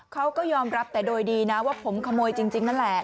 เขาก็ยอมรับแต่โดยดีนะว่าผมขโมยจริงนั่นแหละ